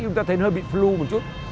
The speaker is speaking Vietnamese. chúng ta thấy nó hơi bị flu một chút